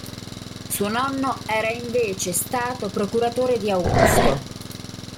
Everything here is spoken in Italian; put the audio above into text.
Suo nonno era invece stato procuratore di Augusto.